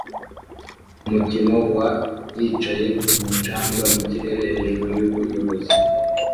Umukino wa yicaye kumu canga mu kirere hejuru yubuyobozi